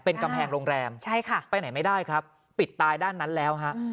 เป็นกำแพงโรงแรมไปไหนไม่ได้ครับปิดตายด้านนั้นแล้วฮะใช่ค่ะ